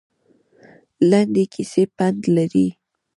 لنډې کیسې پند لري